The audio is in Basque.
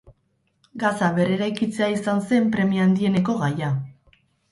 Gaza berreraikitzea izan zen premia handieneko gaia.